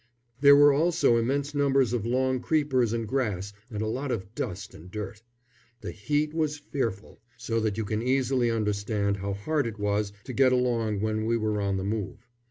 There were also immense numbers of long creepers and grass, and a lot of dust and dirt. The heat was fearful, so that you can easily understand how hard it was to get along when we were on the move.